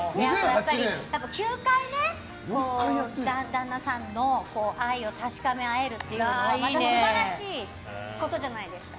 ９回旦那さんと愛を確かめ合えるというのはまた素晴らしいことじゃないですか。